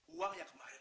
uang yang kemarin